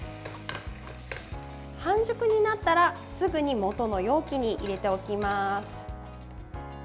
半熟になったら、すぐに元の容器に入れておきます。